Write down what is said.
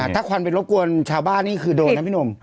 ถ้าควันไปรบกวนชาวบ้านนี่คือโดนนะพี่หนุ่ม